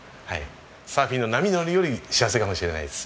サーフィンの波に乗るより幸せかもしれないです。